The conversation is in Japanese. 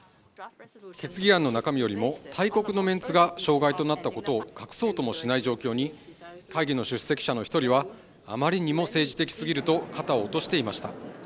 決議案の中身よりも大国のメンツが障害となったことを隠そうともしない状況に会議の出席者の一人はあまりにも政治的すぎると肩を落としていました